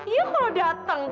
iya kalau dateng